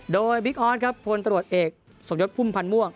โดยบิ๊กออสครับพลตรวจเอกสมยศพุ่มพันธ์ม่วง